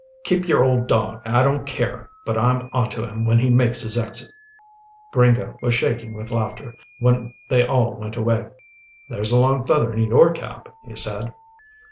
Keep your old dog I don't care, but I'm on to him when he makes his exit." Gringo was shaking with laughter, when they all went away. "There's a long feather in your cap," he said.